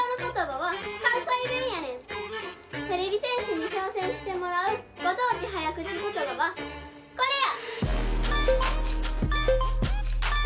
てれび戦士に挑戦してもらうご当地早口ことばはこれや！